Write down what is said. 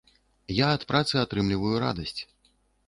Я ад працы атрымліваю радасць.